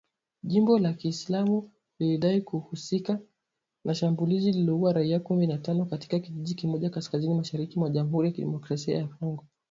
Jimbo ya Kiislamu lilidai kuhusika na shambulizi lililoua raia kumi na tano katika kijiji kimoja kaskazini-mashariki mwa Jamhuri ya Kidemokrasia ya Kongo.